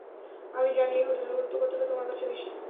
আমি জানি এই হোটেলের গুরুত্ব কতটা তোমার কাছে বেশি।